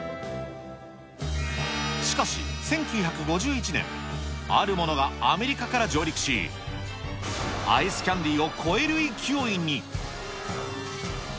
しかし、１９５１年、あるものがアメリカから上陸し、アイスキャンディーを越える勢いに。